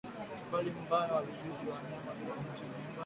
Utupaji mbaya wa vijusi vya wanyama walioporomosha mimba